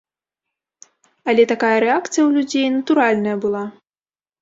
Але такая рэакцыя ў людзей натуральная была!